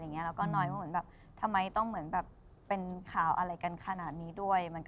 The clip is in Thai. เราก็น้อยว่าทำไมต้องเป็นข่าวอะไรกันขนาดนี้ด้วย